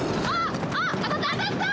あっ当たった！